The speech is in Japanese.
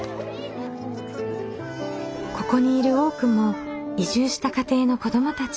ここにいる多くも移住した家庭の子どもたち。